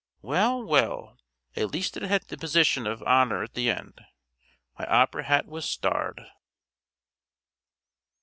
_" Well, well. At least it had the position of honour at the end. My opera hat was starred.